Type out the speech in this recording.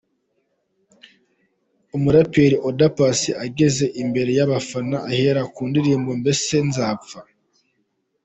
Umuraperi Oda Paccy ageze imbere y’abafana ahera ku ndirimbo ’Mbese nzapfa’.